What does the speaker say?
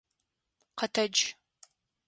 Къэтэдж!